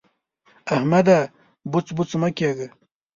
احمده! بوڅ بوڅ مه کېږه.